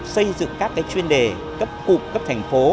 xây dựng các chuyên đề cấp cục cấp thành phố